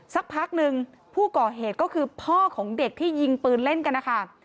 สักพักหนึ่งผู้ก่อเหตุก็คือพ่อของเด็กที่ยิงปืนเล่นกันนะคะ